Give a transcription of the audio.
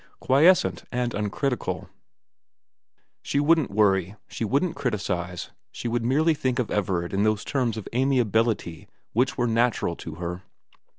Quiescent and uncritical. She wouldn't worry ; she wouldn't criticise ; she would merely think of Everard in those terms of amiability which were natural to her.